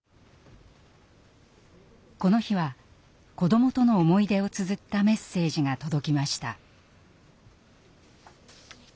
この日は子どもとの思い出をつづったメッセージが届きました。